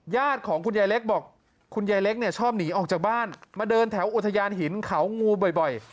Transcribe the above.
ญาติของคุณยายเล็กบอกคุณยายเล็กเนี่ยชอบหนีออกจากบ้านมาเดินแถวอุทยานหินเขางูบ่อย